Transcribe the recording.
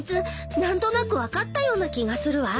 何となく分かったような気がするわ。